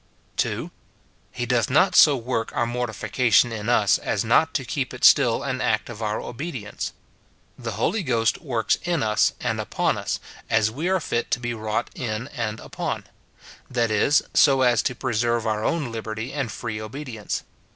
[2.] He doth not so work our mortification in us as not to keep it still an act of our obedience. The Holy Ghost works in us and upon us, as we are fit to be wrought in and upon ; that is, so as to preserve our own liberty and free obedience.